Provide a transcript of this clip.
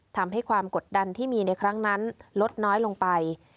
ทำให้ความกดดันที่มีในครั้งนั้นลดน้อยลงไป